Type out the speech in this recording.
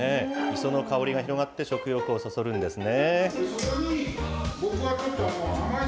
磯の香りが広がって、食欲をそそるんですね。